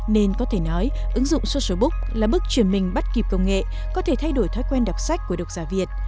nên có thể nói ứng dụng social book là bước truyền mình bắt kịp công nghệ có thể thay đổi thói quen đọc sách của đọc giả việt